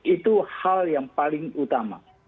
itu hal yang paling utama